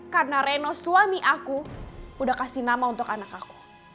karena reno suami aku udah kasih nama untuk anak aku